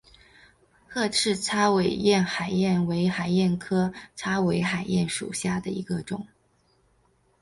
褐翅叉尾海燕为海燕科叉尾海燕属下的一个种。